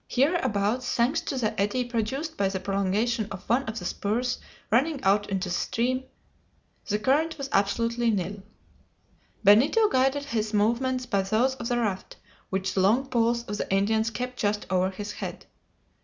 Hereabouts, thanks to the eddy produced by the prolongation of one of the spurs running out into the stream, the current was absolutely nil. Benito guided his movements by those of the raft, which the long poles of the Indians kept just over his head.